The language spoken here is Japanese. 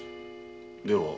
では